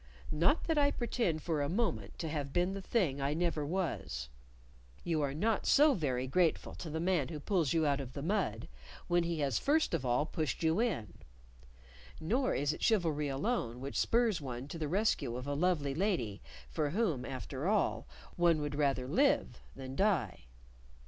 Not that I pretend for a moment to have been the thing I never was: you are not so very grateful to the man who pulls you out of the mud when he has first of all pushed you in; nor is it chivalry alone which spurs one to the rescue of a lovely lady for whom, after all, one would rather live than die.